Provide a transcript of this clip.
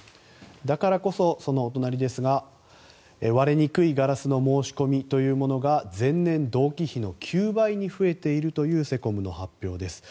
だからこそ、お隣ですが割れにくいガラスの申し込みが前年同期比の９倍に増えているというセコムの発表です。